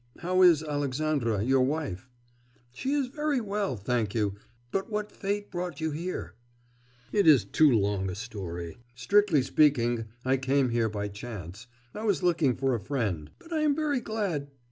How is Alexandra your wife?' 'She is very well, thank you. But what fate brought you here?' 'It is too long a story. Strictly speaking, I came here by chance. I was looking for a friend. But I am very glad...